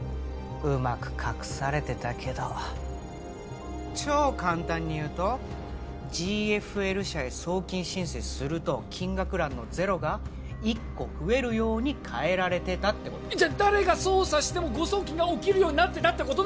うまく隠されてたけど超簡単に言うとＧＦＬ社へ送金申請すると金額欄のゼロが１個増えるように変えられてたってことじゃ誰が操作しても誤送金が起きるようになってたってこと？